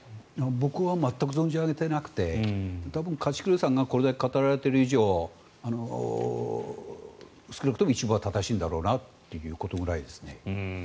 僕は全く存じ上げていなくて多分、梶栗さんがこれだけ語られている以上少なくとも一部は正しいんだろうなということぐらいですね。